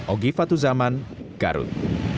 ogifat tuzaman garut